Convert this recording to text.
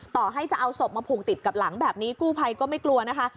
ต่อให้จะเอาศพมาผูกติดกับหลังแบบนี้กู้ภัยก็ไม่กลัวนะคะ